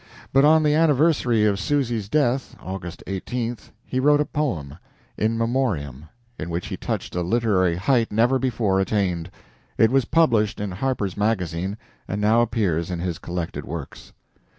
But on the anniversary of Susy's death (August 18th) he wrote a poem, "In Memoriam," in which he touched a literary height never before attained. It was published in "Harper's Magazine," and now appears in his collected works.